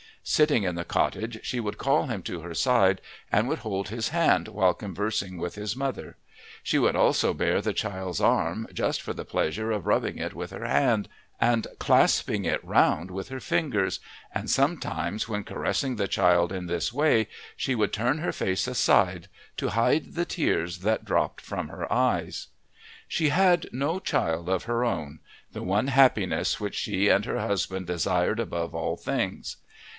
Sitting in the cottage she would call him to her side and would hold his hand while conversing with his mother; she would also bare the child's arm just for the pleasure of rubbing it with her hand and clasping it round with her fingers, and sometimes when caressing the child in this way she would turn her face aside to hide the tears that dropped from her eyes. She had no child of her own the one happiness which she and her husband desired above all things.